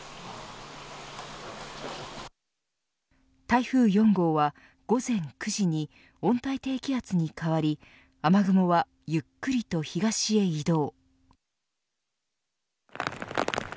台風４号は午前９時に温帯低気圧に変わり雨雲はゆっくりと東へ移動。